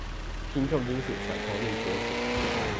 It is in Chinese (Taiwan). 聽重金屬甩頭練脖子